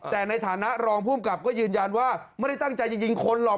แต่ในฐานะรองภูมิกับก็ยืนยันว่าไม่ได้ตั้งใจจะยิงคนหรอก